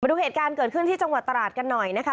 ดูเหตุการณ์เกิดขึ้นที่จังหวัดตราดกันหน่อยนะคะ